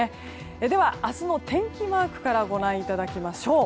では、明日の天気マークからご覧いただきましょう。